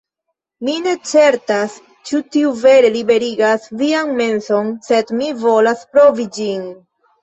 Mi ne certas ĉu tiu vere liberigas vian menson, sed mi volas provi ĝin